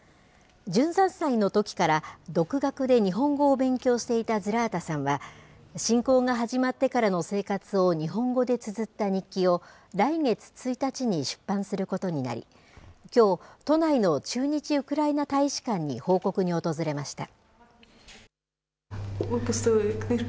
１３歳のときから独学で日本語を勉強していたズラータさんは、侵攻が始まってからの生活を日本語でつづった日記を来月１日に出版することになり、きょう、都内の駐日ウクライナ大使館に報告に訪れました。